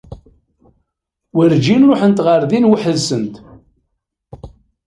Werǧin ruḥent ɣer din uḥd-nsent.